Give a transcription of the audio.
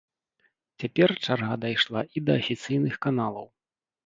Цяпер чарга дайшла і да афіцыйных каналаў.